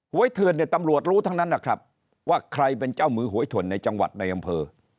เถื่อนเนี่ยตำรวจรู้ทั้งนั้นนะครับว่าใครเป็นเจ้ามือหวยเถื่อนในจังหวัดในอำเภอ